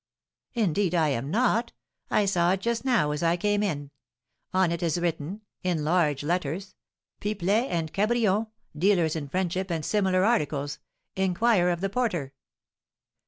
"Indeed I am not. I saw it just now, as I came in; on it is written, in large letters, 'Pipelet and Cabrion, dealers in Friendship and similar Articles. Inquire of the Porter.'"